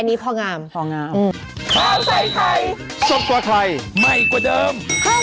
อันนี้พองามพองามอืม